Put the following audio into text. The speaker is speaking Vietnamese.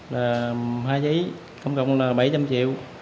là hai giấy công cộng là bảy trăm linh triệu